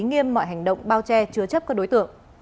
nghiêm mọi hành động bao che chứa chấp các đối tượng